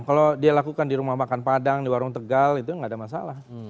kalau dia lakukan di rumah makan padang di warung tegal itu nggak ada masalah